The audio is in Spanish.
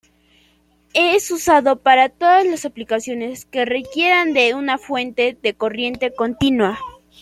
Es usado para todas las aplicaciones que requieran de una fuente de corriente continua.